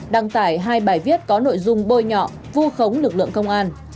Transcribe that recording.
đăng tải hai bài viết có nội dung bôi nhọ vu khống lực lượng công an